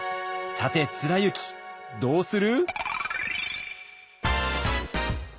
さて貫之どうする？